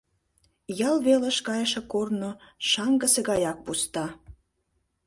Ял велыш кайше корно шаҥгысе гаяк пуста.